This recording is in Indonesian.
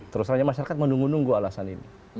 terus terang aja masyarakat menunggu nunggu alasan ini